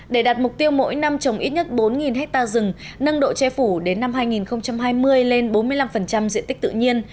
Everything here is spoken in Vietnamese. để đạt mục tiêu mỗi năm trồng ít nhất bốn hectare rừng nâng độ che phủ đến năm hai nghìn hai mươi lên bốn mươi năm diện tích tự nhiên